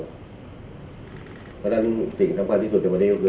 เพราะฉะนั้นสิ่งสำคัญที่สุดในวันนี้ก็คือ